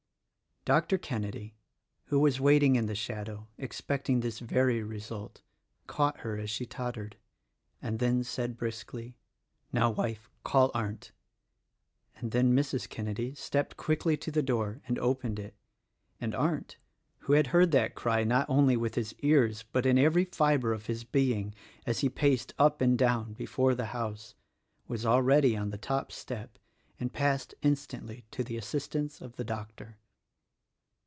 Dr. Kenedy — who was waiting in the shadow, expect ing this very result — caught her as she tottered, *nd then said briskly, "Now, wife, call Arndt;" and l«^n Mrs. Kenedy stepped quickly to the door and opened it — and Arndt, who had heard that cry not only with his ears but in every fibre of his being — as he paced up and down before the house, — was already on the top step and passed instantly to the assistance of the doctor.